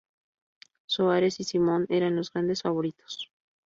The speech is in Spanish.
Soares y Simon eran los grandes favoritos.